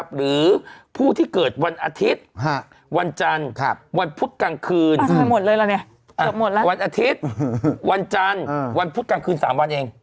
หรือผู้ที่เกิดวันอาทิตย์วันจันทร์วันพุธกลางคืนวันอาทิตย์วันจันทร์วันพุธกลางคืน๓วันเอง